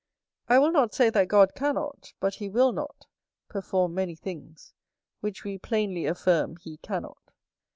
I will not say that God cannot, but he will not, perform many things, which we plainly affirm he cannot.